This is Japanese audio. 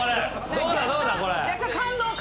どうだどうだこれ。